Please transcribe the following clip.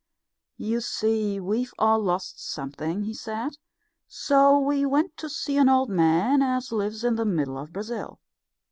"You see, we've all lost something," he said, "so we went to see an old man as lives in the middle of Brazil.